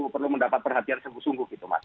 perlu mendapat perhatian sungguh sungguh gitu mas